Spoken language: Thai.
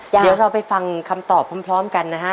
เดี๋ยวเราไปฟังคำตอบพร้อมกันนะฮะ